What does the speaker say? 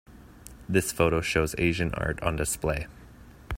This photo shows Asian art on display.